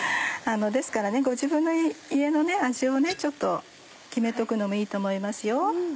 ですからご自分の家の味をちょっと決めておくのもいいと思いますよ。